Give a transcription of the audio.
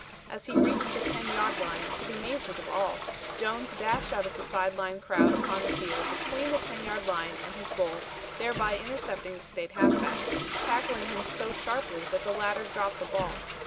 As he reached the 10 yard line, to the amazement of all, Jones dashed out of the side line crowd upon the field between the 10 yard line and his goal, thereby intercepting the State halfback, tackling him so sharply that the latter dropped the ball.